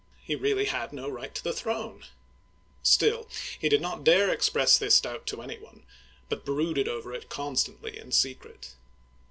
he really had no right to the throne; still, he did not dare express this doubt to any one, but brooded over it constantly in secret.